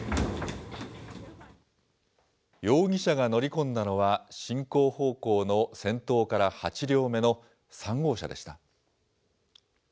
容疑者が乗り込んだのは、進行方向の先頭から８両目の３号車でした。